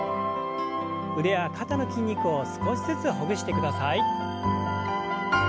腕や肩の筋肉を少しずつほぐしてください。